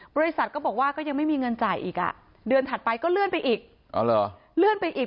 เพราะไม่มีเงินไปกินหรูอยู่สบายแบบสร้างภาพ